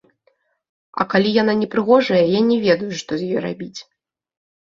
А калі яна не прыгожая, я не ведаю, што з ёй рабіць.